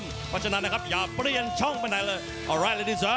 เพราะฉะนั้นนะครับอย่าเปลี่ยนช่องไปไหนเลย